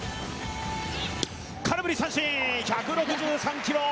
空振り三振、１６３キロ。